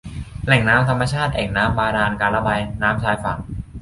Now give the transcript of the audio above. แหล่งน้ำธรรมชาติ แอ่งน้ำบาดาล การระบายน้ำชายฝั่ง